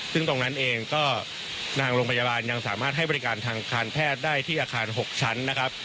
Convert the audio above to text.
ซึ่งตรงนั้นเองก็ทางโรงพยาบาลยังสามารถให้บริการทางการแพทย์ได้ที่อาคาร๖ชั้นนะครับ